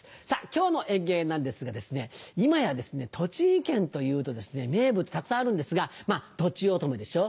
今日の演芸なんですが今や栃木県というと名物たくさんあるんですが「とちおとめ」でしょ